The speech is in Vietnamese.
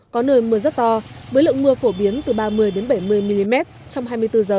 có nơi mưa rất to với lượng mưa phổ biến từ ba mươi bảy mươi mm trong hai mươi bốn h